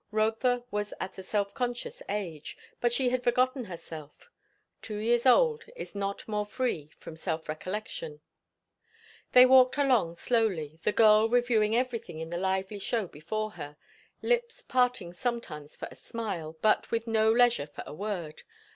Rotha was at a self conscious age, but she had forgotten herself; two years old is not more free from self recollection. They walked along slowly, the girl reviewing everything in the lively show before her; lips parting sometimes for a smile, but with no leisure for a word.